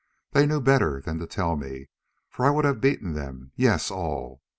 They knew better than to tell me, for I would have beaten them—yes, all!